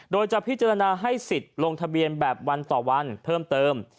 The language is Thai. โดยจะพิจารณาให้สิทธิ์ลงทะเบียนแบบวันต่อวันเพิ่มเติม